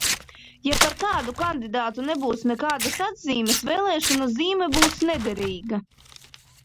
Ja par kādu kandidātu nebūs nekādas atzīmes, vēlēšanu zīme būs nederīga.